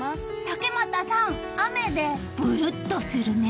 竹俣さん、雨でブルッとするね！